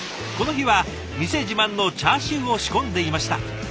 この日は店自慢のチャーシューを仕込んでいました。